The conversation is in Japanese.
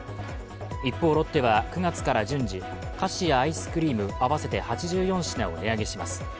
一方、ロッテは９月から順次菓子やアイスクリーム合わせて８４品を値上げします。